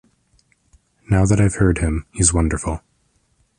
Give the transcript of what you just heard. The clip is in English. Now that I've heard him, he's wonderful.